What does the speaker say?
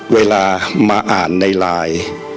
เวลามาอ่านในไลน์